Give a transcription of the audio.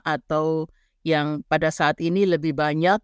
atau yang pada saat ini lebih banyak